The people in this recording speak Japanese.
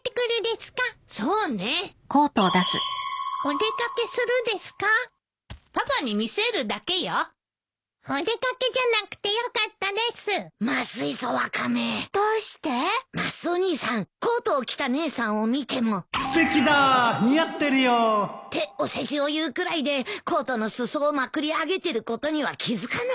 すてきだ！似合ってるよってお世辞を言うくらいでコートの裾をまくり上げてることには気付かないよ。